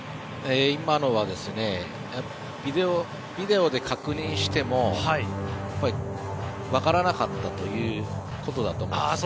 今のはビデオで確認してもわからなかったということだと思いますね。